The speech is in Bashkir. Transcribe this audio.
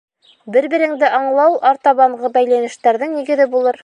Бер-береңде аңлау артабанғы бәйләнештәрҙең нигеҙе булыр.